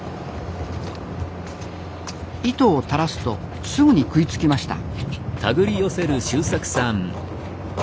糸を垂らすとすぐに食いつきました。